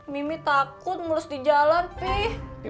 mimi takut moles di jalan pi